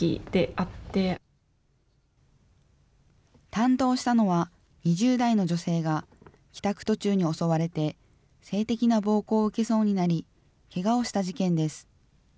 担当したのは、２０代の女性が、帰宅途中に襲われて、性的な暴行を受けそうになり、けがをした事件です。